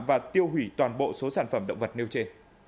và tiêu hủy toàn bộ số sản phẩm động vật nêu trên